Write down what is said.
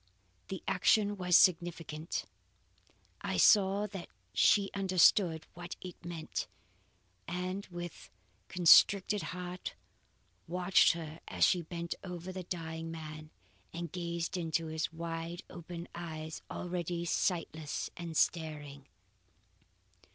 "The action was significant. I saw that she understood what it meant, and with constricted heart watched her as she bent over the dying man and gazed into his wide open eyes, already sightless and staring.